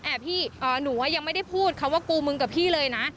แต่พี่หนูยังไม่ได้พูดคำว่ากูมึงกับพี่เลยนะ